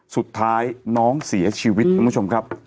สุดท้ายน้องเสียชีวิตคุณผู้ชมครับ